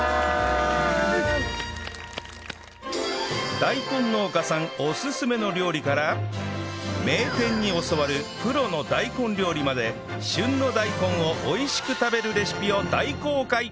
大根農家さんおすすめの料理から名店に教わるプロの大根料理まで旬の大根を美味しく食べるレシピを大公開！